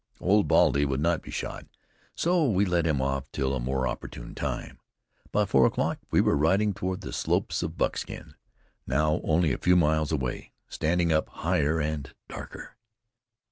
Old Baldy would not be shod, so we let him off till a more opportune time. By four o'clock we were riding toward the slopes of Buckskin, now only a few miles away, standing up higher and darker.